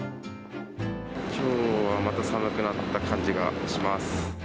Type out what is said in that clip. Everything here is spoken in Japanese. きょうはまた寒くなった感じがします。